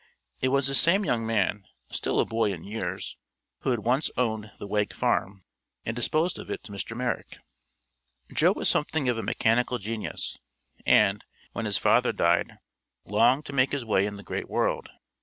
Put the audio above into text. It was this same young man still a boy in years who had once owned the Wegg Farm and disposed of it to Mr. Merrick. Joe was something of a mechanical genius and, when his father died, longed to make his way in the great world.